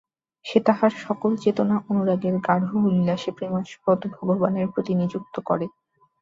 সে তাহার সকল চেতনা অনুরাগের গাঢ় উল্লাসে প্রেমাস্পদ ভগবানের প্রতি নিযুক্ত করে।